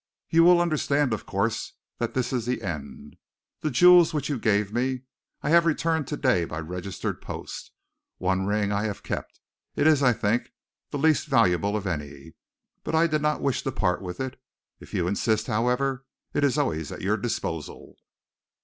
You will understand, of course, that this is the end. The jewels which you gave me I have returned to day by registered post. One ring I have kept. It is, I think, the least valuable of any, but I did not wish to part with it. If you insist, however, it is always at your disposal.